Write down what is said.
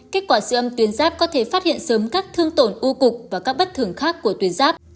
kết quả siêu âm tuyến giáp có thể phát hiện sớm các thương tổn u cục và các bất thường khác của tuyến giáp